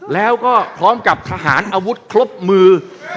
แล้วก็พร้อมกับทหารอาวุธครบมือ